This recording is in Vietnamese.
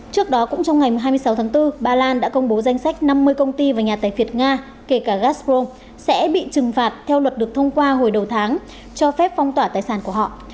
trước đó cũng trong ngày hai mươi sáu tháng bốn ba lan đã công bố danh sách năm mươi công ty và nhà tài việt nga kể cả gazprom sẽ bị trừng phạt theo luật được thông qua hồi đầu tháng cho phép phong tỏa tài sản của họ